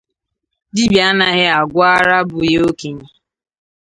Dibịa anaghị agwụ ara bụ ya okenye.